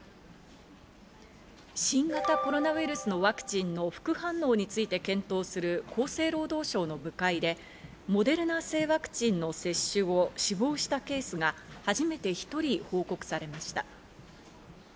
新型コロナウイルスのワクチンの副反応について検討する厚生労働省の部会で、モデルナ製ワクチンの接種後、死亡したケースが初めて１人報告されました。